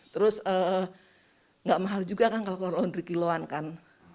terus nggak mahal juga kan kalau laundry kiluan kan